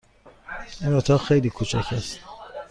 این اتاق خیلی کوچک است.